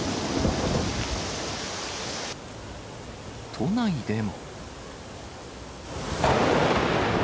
都内でも。